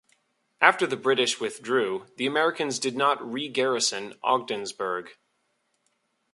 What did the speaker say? After the British withdrew, the Americans did not re-garrison Ogdensburg.